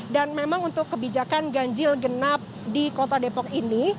dan memang untuk kebijakan ganjil genap di kota depok ini